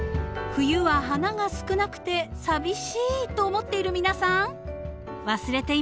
冬は花が少なくて寂しいと思っている皆さん忘れていませんか？